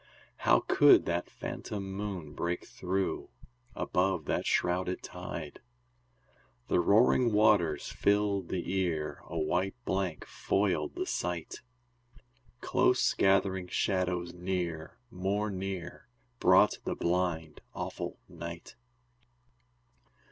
How could that phantom moon break through, Above that shrouded tide? The roaring waters filled the ear, A white blank foiled the sight. Close gathering shadows near, more near, Brought the blind, awful night.